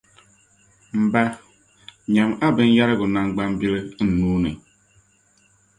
M ba, nyama a binyɛrigu naŋgbambili n nuu ni.